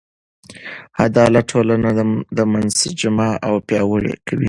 عدالت ټولنه منسجمه او پیاوړې کوي.